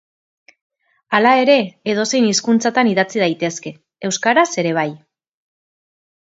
Hala ere, edozein hizkuntzatan idatzi daitezke, euskaraz ere bai.